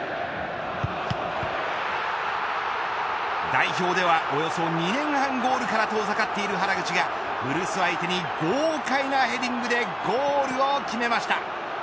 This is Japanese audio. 代表ではおよそ２年半ゴールが遠ざかっている原口が古巣相手に豪快なヘディングでゴールを決めました。